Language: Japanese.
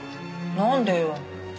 なんでよ。